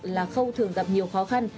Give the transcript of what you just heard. là khâu thường gặp nhiều khó khăn